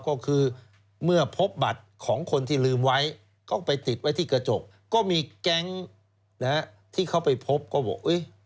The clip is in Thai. ก็คือเมื่อพบบัตรของคนที่ลืมไว้ก็ไปติดไว้ที่กระจกก็มีแก๊งที่เขาไปพบก็บอก